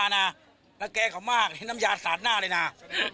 นักแก่เขามากให้น้ำยาสาดหน้าเลยน่ะ